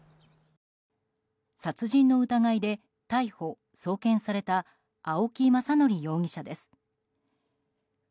殺人の疑いで逮捕・送検された青木政憲容疑者です。